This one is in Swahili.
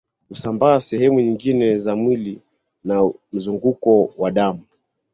husambaa sehemu nyingine za mwili na mzunguko wa damu